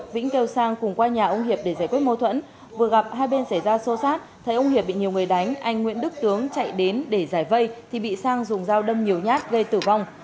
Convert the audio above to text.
vừa gặp hai bên xảy ra xô xát thấy ông hiệp bị nhiều người đánh anh nguyễn đức tướng chạy đến để giải vây thì bị sang dùng dao đâm nhiều nhát gây tử vong